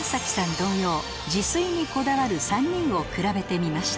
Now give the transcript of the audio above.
同様自炊にこだわる３人をくらべてみました